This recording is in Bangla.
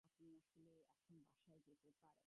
ভুল খবর পাইয়াছেন।